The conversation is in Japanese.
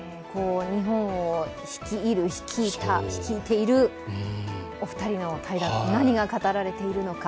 日本を率いる、率いた、率いているお二人の対談、何が語られているのか。